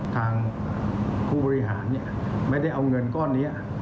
ทางผู้บริหารไม่ได้เอาเงินก้อนนี้